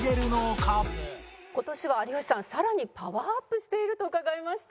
今年は有吉さんさらにパワーアップしていると伺いました。